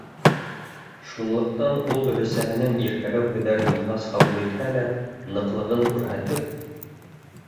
Шунлыҡтан ул өләсәһенең иркәләү һүҙҙәрен ихлас ҡабул итһә лә, ныҡлығын күрһәтеп: